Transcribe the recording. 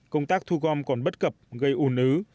công tác thu gom còn bất cập gây ủn ứ